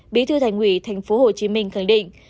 bí thư thành ủy tp hcm khẳng định